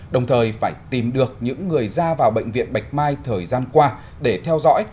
đồng thời phải tìm được những người ra vào bệnh viện bạch mai thời gian qua để theo dõi